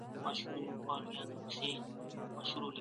د افغانستان پېښې یوې بلې پسې ډېرې ورانې راغلې.